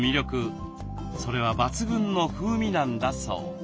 それは抜群の風味なんだそう。